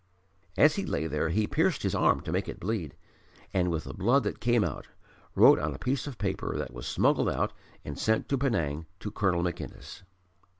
As he lay there he pierced his arm to make it bleed, and, with the blood that came out, wrote on a piece of paper that was smuggled out and sent to Penang to Colonel MacInnes.